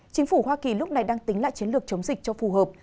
chính phủ hoa kỳ lúc này đang tính lại chiến lược chống dịch cho phù hợp